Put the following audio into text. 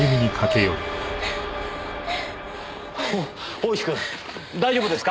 大石くん大丈夫ですか？